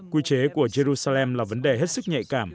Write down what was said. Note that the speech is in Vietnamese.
quy chế của jerusalem là vấn đề hết sức nhạy cảm